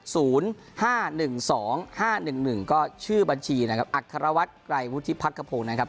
ศูนย์ห้าหนึ่งสองห้าหนึ่งหนึ่งก็ชื่อบัญชีนะครับ